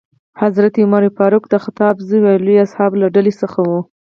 حضرت عمر فاروق د خطاب زوی او لویو اصحابو له ډلې څخه ؤ.